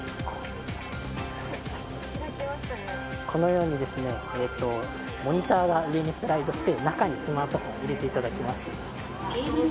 このようにモニターが上にスライドして中にスマートフォンを入れていただきます。